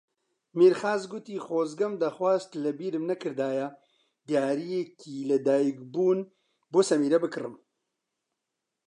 مێرخاس گوتی خۆزگەم دەخواست لەبیرم نەکردایە دیارییەکی لەدایکبوون بۆ سەمیرە بکڕم.